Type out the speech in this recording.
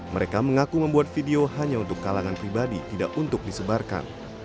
mereka mengaku membuat video hanya untuk kalangan pribadi tidak untuk disebarkan